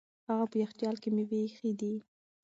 هغه په یخچال کې مېوې ایښې دي.